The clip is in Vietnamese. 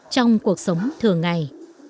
trong cuộc sống thường ngày